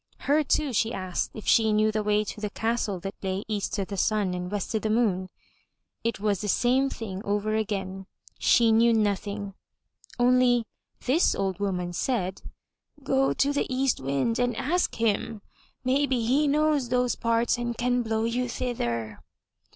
Her too she asked if she knew the way to the castle that lay EAST O' THE SUN AND WEST O' THE MOON. It was the same thing over again. She knew nothing, only this old woman said; "Go to the East Wind and ask him. Maybe he knows those parts and can blow you thither."